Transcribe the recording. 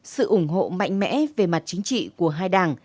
sự ủng hộ mạnh mẽ về mặt chính trị của hai đảng